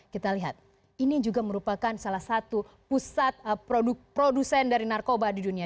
kita lihat ini juga merupakan salah satu pusat produsen dari narkoba di dunia